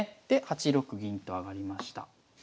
で８六銀と上がりました。